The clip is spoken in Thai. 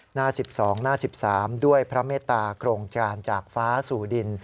หน้า๑๒หน้า๑๓ด้วยพระเมตตาโครงการจากฟ้าสู่ดิน